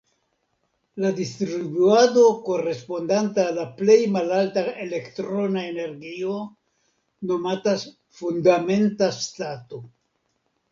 La distribuado korespondanta al la plej malalta elektrona energio nomatas "fundamenta stato".